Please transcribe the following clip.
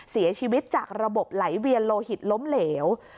เสียชีวิตจากระบบไหลเวียนโลหิตล้มเหลว